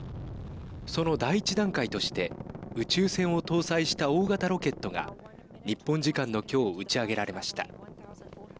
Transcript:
その第一段階として宇宙船を搭載した大型ロケットが日本時間の今日打ち上げられました。